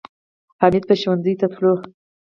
حمید به ښوونځي ته تلو